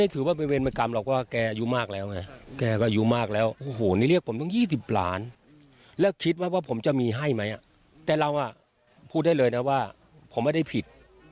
แต่เราพูดได้เลยนะว่าผมไม่ได้ผิด